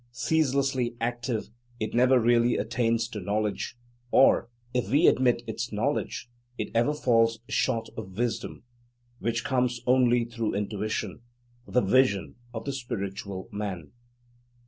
Ceaselessly active, it never really attains to knowledge; or, if we admit its knowledge, it ever falls short of wisdom, which comes only through intuition, the vision of the Spiritual Man.